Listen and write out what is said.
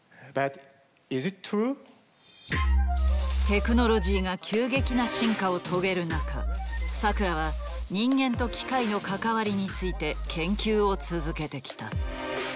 テクノロジーが急激な進化を遂げる中佐倉は人間と機械の関わりについて研究を続けてきた。